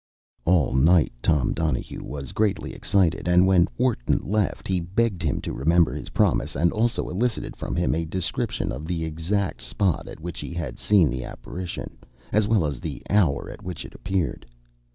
All night Tom Donahue was greatly excited, and when Wharton left he begged him to remember his promise, and also elicited from him a description of the exact spot at which he had seen the apparition, as well as the hour at which it appeared.